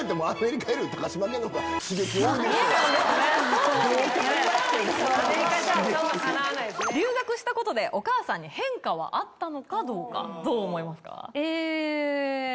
アメリカじゃちょっとかなわ留学したことで、お母さんに変化はあったのかどうか、どう思いますか？